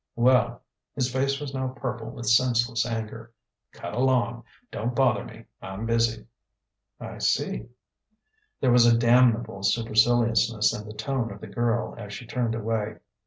"Well" his face was now purple with senseless anger "cut along! Don't bother me. I'm busy." "I see." There was a damnable superciliousness in the tone of the girl as she turned away.